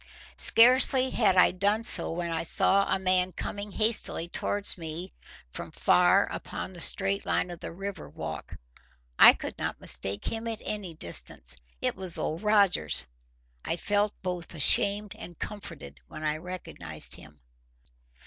Scarcely had I done so, when I saw a man coming hastily towards me from far upon the straight line of the river walk. I could not mistake him at any distance. It was Old Rogers. I felt both ashamed and comforted when I recognized him.